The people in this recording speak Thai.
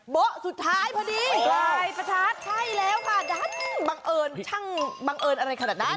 เบาะสุดท้ายพอดีปลายประทัดใช่แล้วค่ะดันบังเอิญช่างบังเอิญอะไรขนาดนั้น